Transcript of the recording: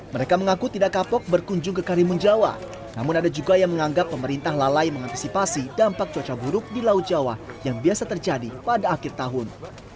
mereka mengaku tidak kapok berkunjung ke karimun jawa namun ada juga yang menganggap pemerintah lalai mengantisipasi dampak cuaca buruk di laut jawa yang biasa terjadi pada akhir tahun